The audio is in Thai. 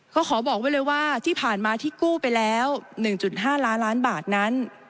ก็ขอบอกไว้เลยว่าที่ผ่านมาที่กู้ไปแล้ว๑๕ล้านล้านบาทนั้น